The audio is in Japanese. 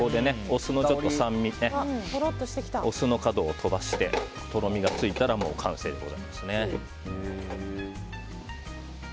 お酢の酸味お酢の角を飛ばしてとろみがついたら、完成です。